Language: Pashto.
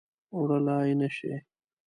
وړلای نه شي